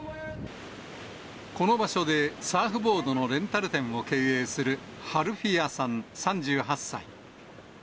この場所で、サーフボードのレンタル店を経営するハルフィアさん３８歳。